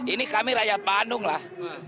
ini kami rakyat bandung lah